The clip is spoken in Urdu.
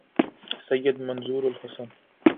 سید منظور الحسن